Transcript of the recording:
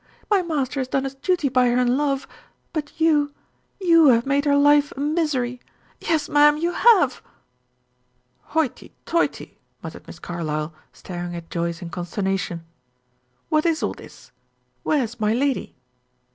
My master has done his duty by her in love; but you you have made her life a misery. Yes, ma'am, you have." "Hoity toity!" muttered Miss Carlyle, staring at Joyce in consternation. "What is all this? Where's my lady?"